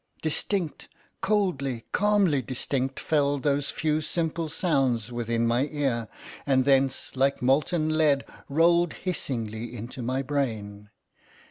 Distinct, coldly, calmly distinct, fell those few simple sounds within my ear, and thence like molten lead rolled hissingly into my brain.